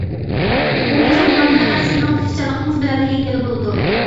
بۇ توسالغۇلارنى پەقەت سىزنىڭ تىرىشچانلىقىڭىز بىلەنلا يەڭگىلى بولىدۇ.